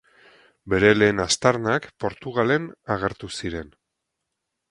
Bere lehen aztarnak Portugalen agertu ziren.